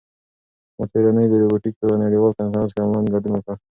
ما تېره اونۍ د روبوټیک په یوه نړیوال کنفرانس کې آنلاین ګډون وکړ.